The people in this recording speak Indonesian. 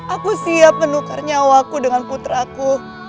aku siap menukar nyawaku dengan putraku